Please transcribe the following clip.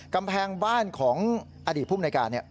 กำแพงบ้านของอดีตผู้มนวยการเนี่ย